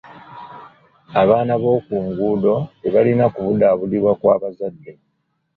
Abaana b'oku nguudo tebalina kubudaabudibwa kw'abazadde.